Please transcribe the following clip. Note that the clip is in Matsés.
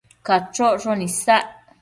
Cachocshon isac